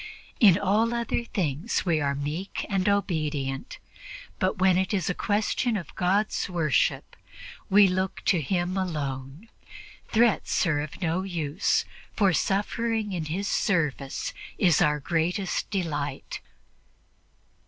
In all other things we are meek and obedient, but when it is a question of God's worship, we look to Him alone. Threats are of no use, for suffering in His service is our greatest delight."